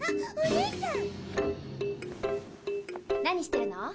何してるの？